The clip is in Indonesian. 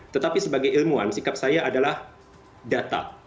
tetapi sebagai ilmuwan sikap saya adalah data